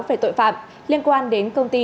về tội phạm liên quan đến công ty